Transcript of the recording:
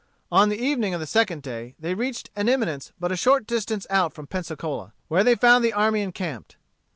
On the evening of the second day, they reached an eminence but a short distance out from Pensacola, where they found the army encamped.